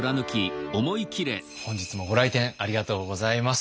本日もご来店ありがとうございます。